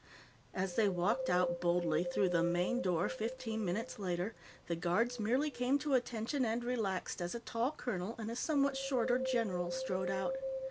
As they walked out boldly through the main door, fifteen minutes later, the guards merely came to attention and relaxed as a tall colonel and a somewhat shorter general strode out.